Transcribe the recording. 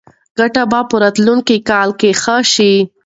ګټه به په راتلونکي کال کې ښه شي.